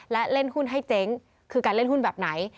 และเล่นหุ้นให้เจ๊งคือการเล่นหุ้นแบบไหน